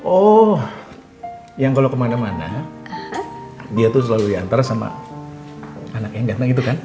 oh yang kalau kemana mana dia tuh selalu diantar sama anak yang datang gitu kan